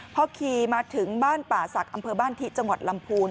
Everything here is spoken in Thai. พอขี่มาถึงบ้านป่าศักดิ์อำเภอบ้านที่จังหวัดลำพูน